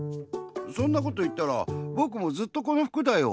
そんなこといったらぼくもずっとこの服だよ。